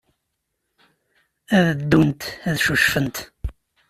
Ad ddunt ad ccucfent.